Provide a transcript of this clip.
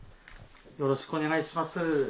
よろしくお願いします。